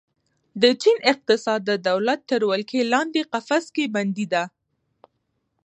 د چین اقتصاد د دولت تر ولکې لاندې قفس کې بندي ده.